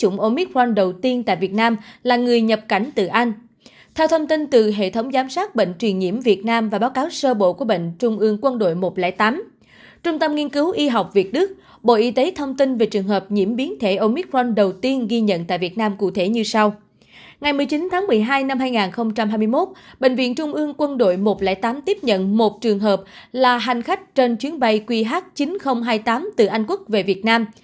ngày một mươi chín tháng một mươi hai năm hai nghìn hai mươi một bệnh viện trung ương quân đội một trăm linh tám tiếp nhận một trường hợp là hành khách trên chuyến bay qh chín nghìn hai mươi tám từ anh quốc về việt nam